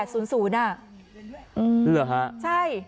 หรือหรือฮะใช่